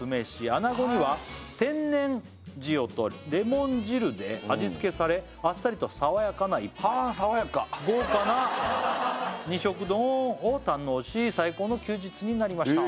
「穴子には天然塩とレモン汁で味付けされ」「あっさりと爽やかな一杯」はあ爽やか「豪華な２色丼を堪能し最高の休日になりました」